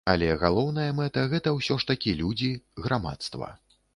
Але галоўная мэта гэта ўсё ж такі людзі, грамадства.